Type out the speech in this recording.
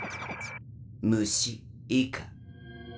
虫以下。